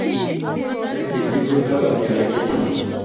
Kcb ko tindo katiarik che chang